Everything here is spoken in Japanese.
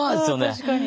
あ確かに。